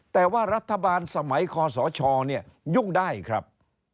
แต่ว่ารัฐบาลสมัยคอสชเนี่ยยุ่งได้ครับ